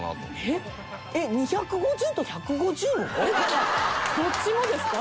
だから。どっちもですか？